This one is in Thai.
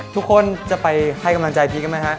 ทุกคนจะไปให้กำลังใจพีชกันไหมฮะ